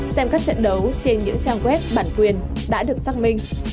xem các trận đấu trên những trang web bản quyền đã được xác minh